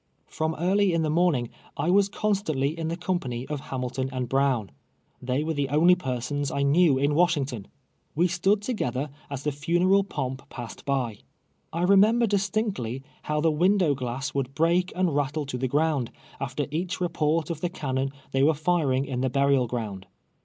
From early in the morning, I was constantly in the company of Hamilton and Brown. They were the only persons I knew in Washington. ' We stood to gether as the funeral pomp ])assed by. I remember distinctly how the window glass would break and rattle to the ground, after each report of the cann.on they vrere iiaingin the burial ground.